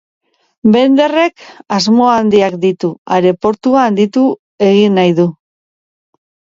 Bender-ek asmo handiak ditu; aireportua handitu egin nahi du.